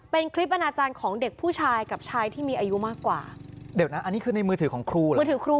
เป็นคลิปอนาจารย์ของเด็กผู้ชายกับชายที่มีอายุมากกว่าเดี๋ยวนะอันนี้คือในมือถือของครูเหรอมือถือครู